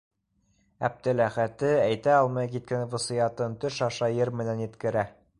Әптеләхәте әйтә алмай киткән васыятын төш аша йыр менән еткерә!